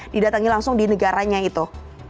didatangi langsung di negaranya itu